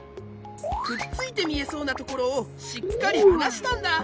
くっついてみえそうなところをしっかりはなしたんだ。